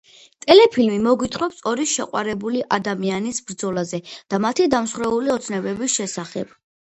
ტელეფილმი მოგვითხრობს ორი შეყვარებული ადამიანის ბრძოლაზე და მათი დამსხვრეული ოცნებების შესახებ.